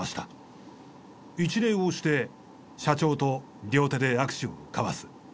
一礼をして社長と両手で握手を交わす。